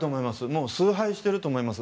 もう崇拝していると思います